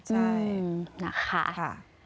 อืมนะครับ